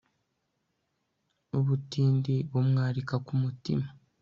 ubutindi bumwarika ku mutima